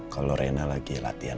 kalau rena lagi latihan